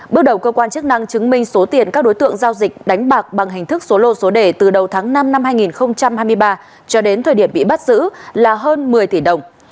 bước đầu cơ quan chức năng chứng minh số tiền các đối tượng giao dịch đánh bạc bằng hình thức số lô số đề từ đầu tháng năm năm hai nghìn hai mươi ba cho đến thời điểm bị bắt giữ là hơn một mươi tỷ đồng